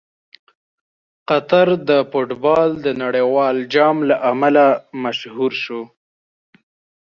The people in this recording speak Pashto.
قطر د فټبال د نړیوال جام له امله مشهور شو.